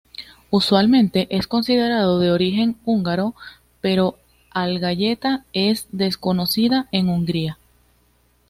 Usualmente es considerado de origen húngaro, pero al galleta es desconocida en Hungría.